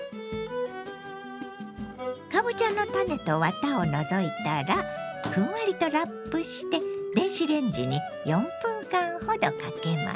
かぼちゃの種とワタを除いたらふんわりとラップして電子レンジに４分間ほどかけます。